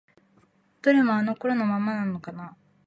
どれもあの頃のままなのかな？